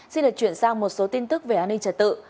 xin được chuyển sang một số tin tức về an ninh trật tự